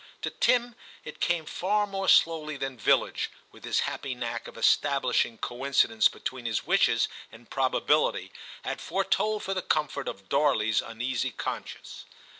To Tim it came far more slowly than Villidge, with his happy knack of establishing coincidence between his wishes and probability, had foretold for the comfort of Darley*s uneasy conscience.